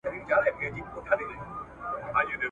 درد مي درته وسپړم څوک خو به څه نه وايي !.